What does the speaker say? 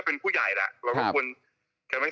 พี่หนุ่ม